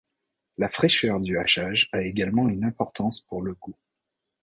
La fraîcheur du hachage a également une importance pour le goût.